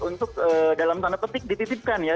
untuk dalam tanda petik dititipkan ya